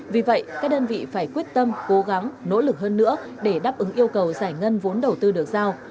vì vậy các đơn vị phải quyết tâm cố gắng nỗ lực hơn nữa để đáp ứng yêu cầu giải ngân vốn đầu tư được giao